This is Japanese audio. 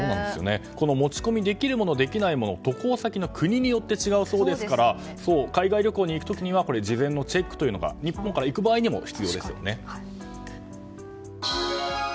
この持ち込みできるものできないものは渡航先の国によって違うそうですから海外旅行に行く時には事前のチェックが日本から行く場合にも必要ですよね。